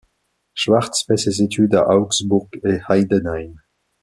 Schwartz fait ses études à Augsburg et Heidenheim.